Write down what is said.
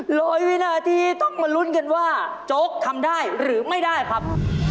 เลยวินาทีต้องมาลุ้นกันว่าโจ๊กทำได้หรือไม่ได้ครับ